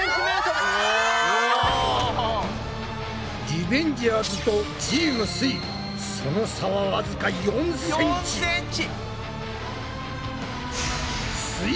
リベンジャーズとチームすイその差はわずか４ｃｍ。